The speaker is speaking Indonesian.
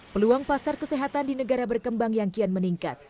peluang pasar kesehatan di negara berkembang yang kian meningkat